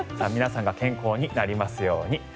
皆さんが健康になりますように。